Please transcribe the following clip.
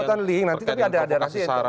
tautan link nanti tapi ada ada nanti